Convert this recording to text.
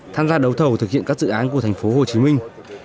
tham gia đấu thầu thực hiện các dự án của thành phố hồ chí minh